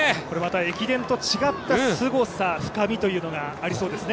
駅伝と違ったすごさ、深みというのがありますね。